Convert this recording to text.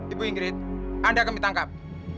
ibu ingrid anda akan ditangkap